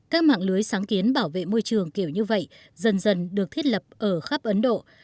các mạng lưới sáng kiến bảo vệ môi trường kiểu như vậy dần dần được thiết lập ở khắp ấn độ